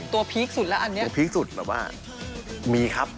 คือตัวพีคสุดละอันนี้ตัวพีคสุดแปลว่ามีครับ